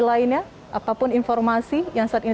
lainnya apapun informasi yang saat ini